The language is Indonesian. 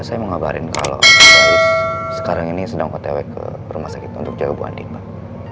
saya mau ngabarin kalau felis sekarang ini sedang kotewe ke rumah sakit untuk jaga bu andi pak